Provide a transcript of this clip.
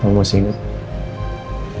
mas ya udah selesai